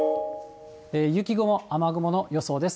雪雲、雨雲の予想です。